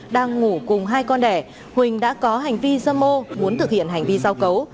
đang ngủ cùng hai con đẻ huỳnh đã có hành vi dâm mô muốn thực hiện hành vi giao cấu